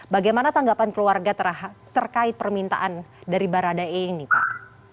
bagaimana tanggapan keluarga terkait permintaan dari baradae ini pak